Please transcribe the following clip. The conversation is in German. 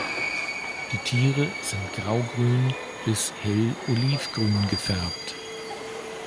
Die Tiere sind graugrün bis hell olivgrün gefärbt.